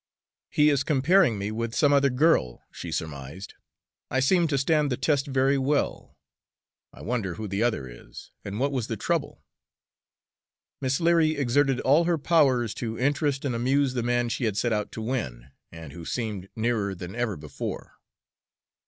"He is comparing me with some other girl," she surmised. "I seem to stand the test very well. I wonder who the other is, and what was the trouble?" Miss Leary exerted all her powers to interest and amuse the man she had set out to win, and who seemed nearer than ever before.